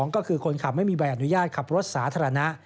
ก็คือคนขับไม่มีใบอนุญาตขับรถสาธารณะ